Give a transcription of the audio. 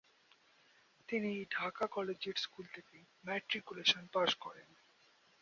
তিনি Dhaka collegiate school থেকে matriculation pass করেন ।